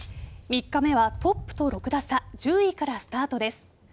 ３日目はトップと６打差１０位からスタートです。